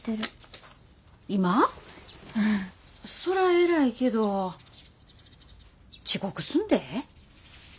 そら偉いけど遅刻すんで。